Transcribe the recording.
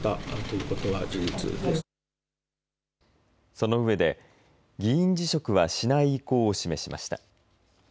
そのうえで議員辞職はしない意向を示しました。